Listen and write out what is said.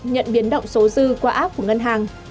nhận biến động số dư qua app của ngân hàng